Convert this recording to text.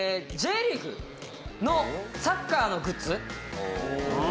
Ｊリーグのサッカーのグッズ？